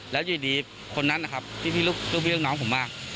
แล้วอยู่ดีคนนั้นนะครับที่พี่ลูกพี่ลูกน้องผมมา